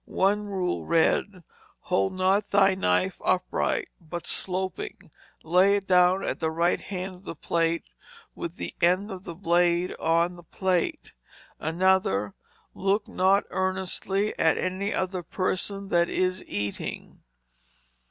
One rule read: "Hold not thy knife upright, but sloping; lay it down at right hand of the plate, with end of blade on the plate." Another, "Look not earnestly at any other person that is eating."